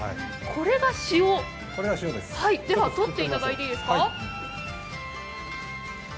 これが塩、取っていただいていいですか？